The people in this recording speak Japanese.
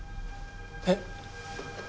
えっ？